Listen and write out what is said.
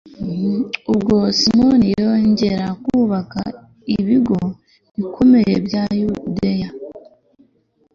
ubwo simoni yongera kubaka ibigo bikomeye bya yudeya